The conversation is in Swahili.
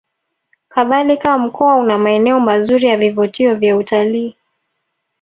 Kadhalika Mkoa una maeneo mazuri ya vivutio vya utalii